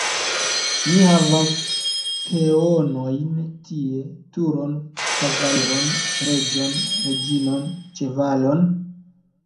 Ni havas peonojn tie, turon, kavaliron, reĝon, reĝinon ĉevalon?